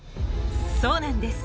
［そうなんです。